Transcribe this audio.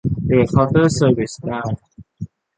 หรือเคาน์เตอร์เซอร์วิสได้